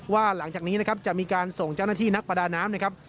ว่าหลังจากนี้จะมีการส่งเจ้าหน้าที่นักประดาน้ำ